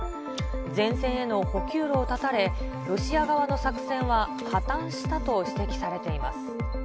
前線への補給路を断たれ、ロシア側の作戦は破綻したと指摘されています。